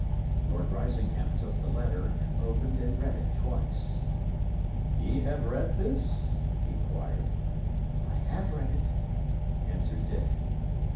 Lord Risingham took the letter, and opened and read it twice. "Ye have read this?" he inquired. "I have read it," answered Dick.